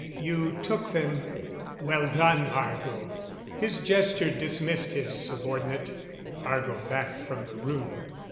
You took them? Well done, Argo!" His gesture dismissed his subordinate; Argo backed from the room.